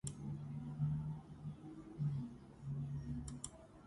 დაიბადა პარიზში კათოლიკეების ოჯახში.